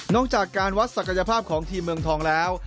จากการวัดศักยภาพของทีมเมืองทองแล้ว